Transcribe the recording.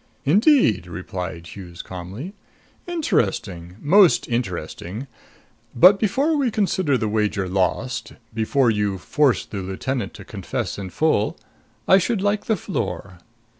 "Indeed!" replied Hughes calmly. "Interesting most interesting! But before we consider the wager lost before you force the lieutenant to confess in full I should like the floor."